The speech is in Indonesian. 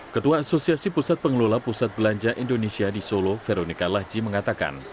ketua asosiasi pusat pengelola pusat belanja indonesia di solo veronica lahji mengatakan